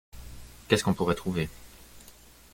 Qu'estce qu'on pourrait trouver.